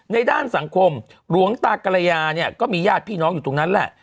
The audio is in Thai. ด้านสังคมหลวงตากรยาเนี่ยก็มีญาติพี่น้องอยู่ตรงนั้นแหละ